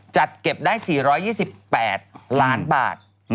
จัดเก็บได้๔๒๘ล้านบาท